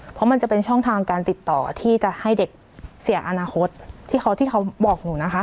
เพราะมันจะเป็นช่องทางการติดต่อที่จะให้เด็กเสียอนาคตที่เขาบอกหนูนะคะ